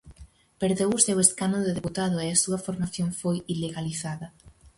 Perdeu o seu escano de deputado e a súa formación foi ilegalizada.